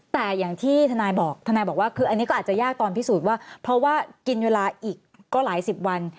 แต่ตอนพิสูจน์ว่าเพราะว่ากินเวลาอีกก็หลายสิบวัน